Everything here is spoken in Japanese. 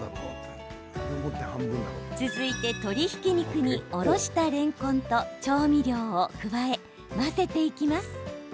続いて鶏ひき肉におろした、れんこんと調味料を加え混ぜていきます。